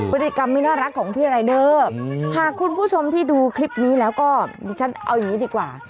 พฤติกรรมไม่น่ารักของพี่รายเดอร์หากคุณผู้ชมที่ดูคลิปนี้แล้วก็ดิฉันเอาอย่างนี้ดีกว่า